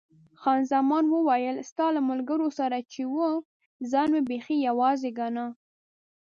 خان زمان وویل، ستا له ملګرو سره چې وم ځان مې بیخي یوازې ګاڼه.